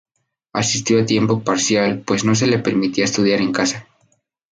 Asistió a tiempo parcial pues no se le permitía estudiar en casa.